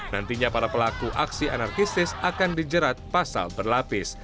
nantinya para pelaku aksi anarkistis akan dijerat pasal berlapis